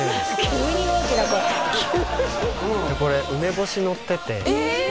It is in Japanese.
急に大きな声急にこれ梅干しのっててえ！？